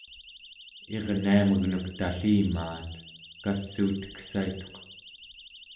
irniamegnuk tallimaat kassuuteksaituq